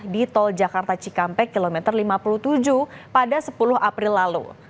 di tol jakarta cikampek kilometer lima puluh tujuh pada sepuluh april lalu